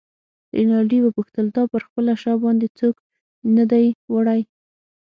رینالډي وپوښتل: تا پر خپله شا باندې څوک نه دی وړی؟